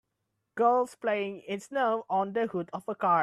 girls playing in snow on the hood of a car